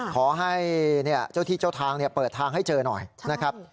ขอให้เจ้าที่เจ้าทางเปิดทางให้เจอหน่อยนะครับ